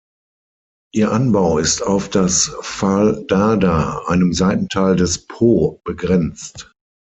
Ihr Anbau ist auf das Val d'Arda, einem Seitental des Po begrenzt.